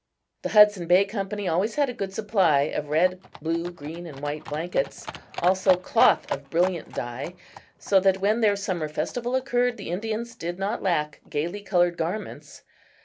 The Hudson Bay Company always had a good supply of red, blue, green and white blankets, also cloth of brilliant dye, so that when their summer festival occurred the Indians did not lack gayly colored garments.